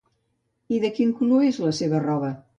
I de quin color és la seva roba?